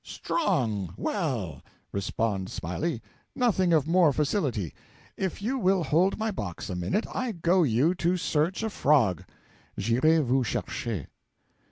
'Strong, well!' respond Smiley; 'nothing of more facility. If you will hold my box a minute, I go you to search a frog (j'irai vous chercher.)'